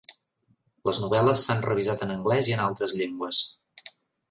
Les novel·les s'han revisat en anglès i en altres llengües.